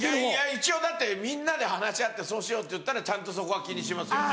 一応だってみんなで話し合ってそうしようっていったらちゃんとそこは気にしますよね。